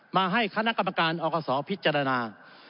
มาให้คณะกรรมการอกศพิจารณา